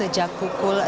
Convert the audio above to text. selamat pagi taza